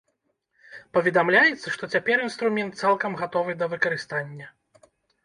Паведамляецца, што цяпер інструмент цалкам гатовы да выкарыстання.